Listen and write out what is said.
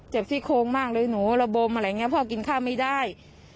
ซี่โครงมากเลยหนูระบมอะไรอย่างนี้พ่อกินข้าวไม่ได้